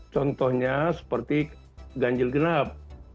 contohnya seperti ganjil genap